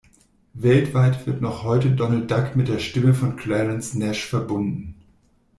Weltweit wird noch heute Donald Duck mit der Stimme von Clarence Nash verbunden.